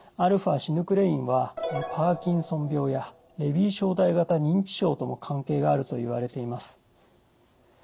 αシヌクレインはパーキンソン病やレビー小体型認知症とも関係があるといわれています。